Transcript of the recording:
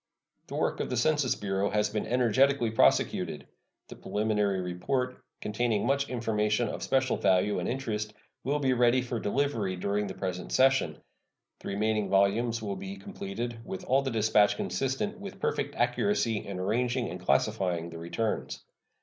The work of the Census Bureau has been energetically prosecuted. The preliminary report, containing much information of special value and interest, will be ready for delivery during the present session. The remaining volumes will be completed with all the dispatch consistent with perfect accuracy in arranging and classifying the returns.